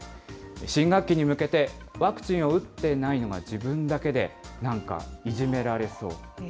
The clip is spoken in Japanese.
新学期に向けて、ワクチンを打ってないのが自分だけで、なんかいじめられそう。